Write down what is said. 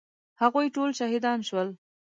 هغوی ټول شهیدان شول.